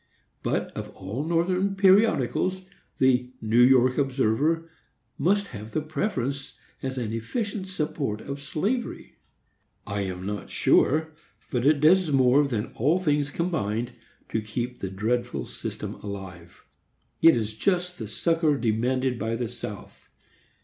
But, of all Northern periodicals, the New York Observer must have the preference, as an efficient support of slavery. I am not sure but it does more than all things combined to keep the dreadful system alive. It is just the succor demanded by the South.